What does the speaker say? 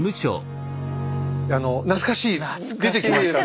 懐かしい出てきましたね。